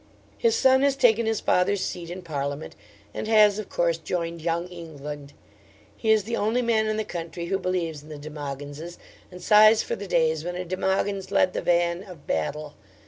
His son has taken his father's seat in Parliament, and has of course joined Young England. He is the only man in the country who believes in the De Mogynses, and sighs for the days when a De Mogyns led the van of battle.